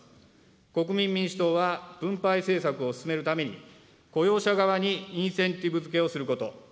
国民民主党は分配政策を進めるために、雇用者側にインセンティブ付けをすること。